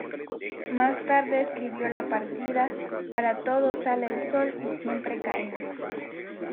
Más tarde escribió La partida, Para todos sale el sol y Siempre Caín.